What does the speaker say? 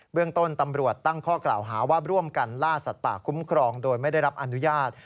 เรื่องต้นตำรวจตั้งข้อกล่าวหาว่าร่วมกันล่าสัตว์ป่าคุ้มครองโดยไม่ได้รับอนุญาต